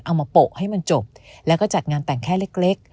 มาโปะให้มันจบแล้วก็จัดงานแต่งแค่เล็ก